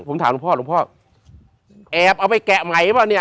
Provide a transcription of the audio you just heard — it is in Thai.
ผมถามหลวงพ่อแอบเอาไปแกะไหมเขาเนี่ย